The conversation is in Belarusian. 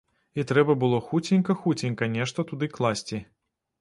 І трэба было хуценька-хуценька нешта туды класці.